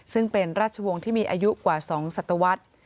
ซึ่งเป็นราชวงศ์ที่มีอายุกว่า๒ศัตวรรษ